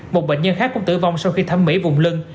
một bệnh nhân khác cũng tử vong sau khi thấm mỉ vùng lưng